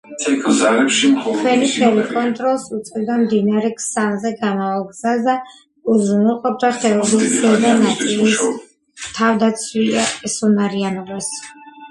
ქვენიფნევი კონტროლს უწევდა მდინარე ქსანზე გამავალ გზას და უზრუნველყოფდა ხეობის ზედა ნაწილის თავდაცვისუნარიანობას.